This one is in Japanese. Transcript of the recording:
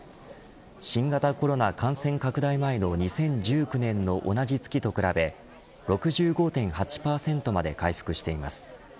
新型コロナ感染拡大前の２０１９年の同じ月と比べ６５．８％まで回復しています。